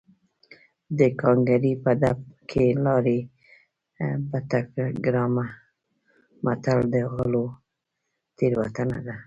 د ګانګړې په ډب کې لاړې بټه ګرامه متل د غلو تېروتنه ده